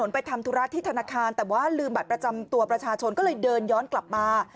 ประชาชนก็เลยเดินย้อนกลับมา